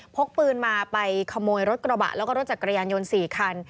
พกปืนมาไปขโมยรถกระบะแล้วก็รถจักรยานยนต์๔คัน